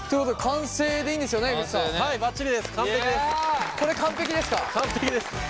完璧です。